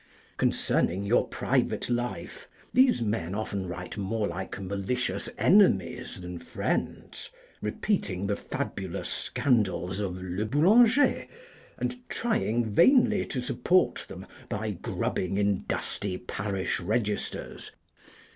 Concerning your private life, these men often write more like malicious enemies than friends; repeating the fabulous scandals of Le Boulanger, and trying vainly to support them by grubbing in dusty parish registers.